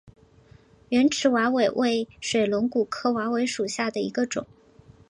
圆齿瓦韦为水龙骨科瓦韦属下的一个种。